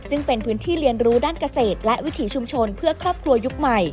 ซึ่งเป็นพื้นที่เรียนรู้ด้านเกษตรและวิถีชุมชนเพื่อครอบครัวยุคใหม่